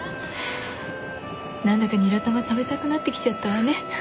何だかニラ玉食べたくなってきちゃったわね。